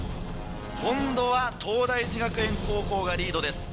今度は東大寺学園高校がリードです。